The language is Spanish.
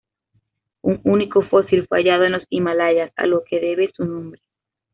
Un único fósil fue hallado en los Himalayas, a los que debe su nombre.